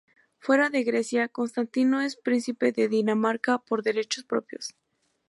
Fuera de Grecia, Constantino es príncipe de Dinamarca por derecho propio.